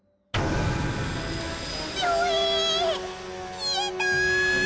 ⁉消えた⁉